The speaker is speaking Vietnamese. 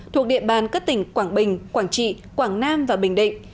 thuộc địa bàn các tỉnh quảng bình quảng trị quảng nam và bình định